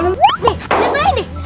nih nyusahin nih